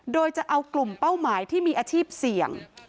โดยจะเอากลุ่มเป้าหมายที่มีอาชีพเสี่ยง